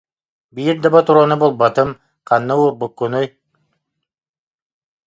Биир да ботуруону булбатым, ханна уурбуккунуй